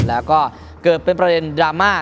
แล้วก็เกิดเป็นประเด็นดราม่า